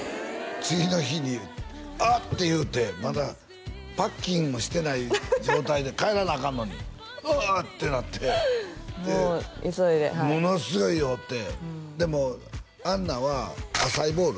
次の日に「あっ」て言うてまだパッキングもしてない状態で帰らなアカンのに「うわ！」ってなってもう急いではいものすごい酔ってでもアンナはアサイーボウル？